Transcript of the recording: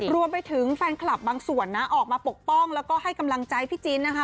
รวมไปถึงแฟนคลับบางส่วนนะออกมาปกป้องแล้วก็ให้กำลังใจพี่จินนะคะ